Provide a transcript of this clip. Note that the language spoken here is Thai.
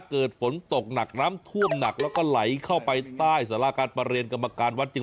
เกิดฝนตกหนักน้ำท่วมหนักแล้วก็ไหลเข้าไปใต้สาราการประเรียนกรรมการวัดจริง